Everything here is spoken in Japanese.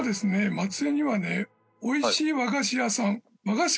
松江にはね美味しい和菓子屋さん。